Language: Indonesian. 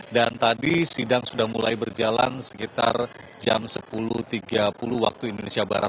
dan tadi sidang sudah mulai berjalan sekitar jam sepuluh tiga puluh waktu indonesia barat